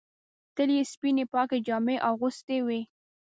تل یې سپینې پاکې جامې اغوستې وې.